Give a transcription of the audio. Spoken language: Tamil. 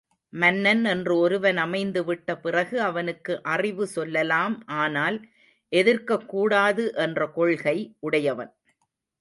மன்னன் என்று ஒருவன் அமைந்து விட்ட பிறகு அவனுக்கு அறிவு சொல்லலாம் ஆனால் எதிர்க்கக்கூடாது என்ற கொள்கை உடையவன்.